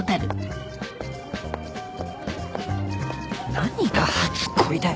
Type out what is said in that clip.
何が初恋だよ。